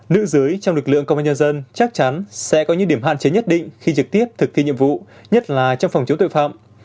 nữ giới trong lực lượng công an nhân dân chắc chắn sẽ có những điểm hạn chế nhất định khi trực tiếp thực thi nhiệm vụ nhất là trong phòng chống tội phạm